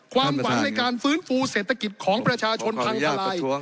ความหวังในการฟื้นฟูเศรษฐกิจของประชาชนพังทลาย